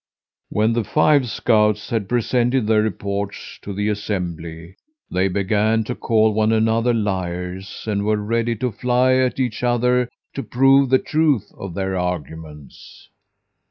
"When the five scouts had presented their reports to the assembly, they began to call one another liars, and were ready to fly at each other to prove the truth of their arguments.